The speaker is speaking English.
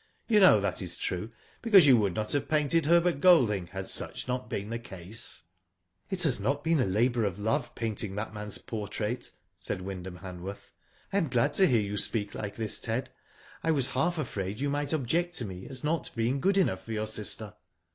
You know that is true, because you would not have painted Herbert Golding had such not been the case.'* '* It has not been a labour of love painting that man's portrait," said Wyndham Hanworth. "I am glad to hear you speak like this, Ted. I was half afraid you might object to me as not being good enough for your sister."